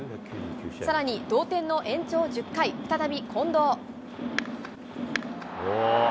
さらに同点の延長１０回、再び近藤。